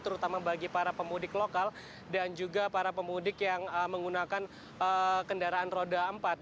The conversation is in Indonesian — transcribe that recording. terutama bagi para pemudik lokal dan juga para pemudik yang menggunakan kendaraan roda empat